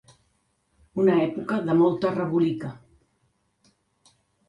Una època de molta rebolica.